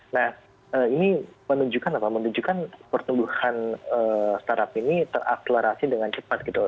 nah ini menunjukkan apa menunjukkan pertumbuhan startup ini teraklerasi dengan cepat gitu